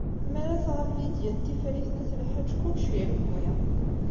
Mi ara tɣab Lidya n Tifrit n At Lḥaǧ, kullec irewwi.